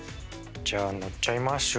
じゃ乗っちゃいます。